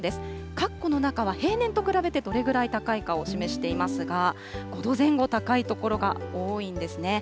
かっこの中は平年と比べてどれぐらい高いかを示していますが、５度前後高い所が多いんですね。